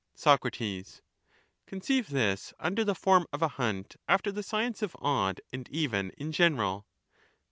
Soc^ Conceive this under the form of a hunt after the science of odd and even in general.